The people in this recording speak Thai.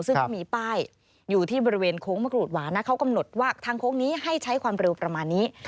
ซึ่งก็มีป้ายอยู่ที่บริเวณโค้งมะกรูดหวานนะเขากำหนดว่าทางโค้งนี้ให้ใช้ความเร็วประมาณนี้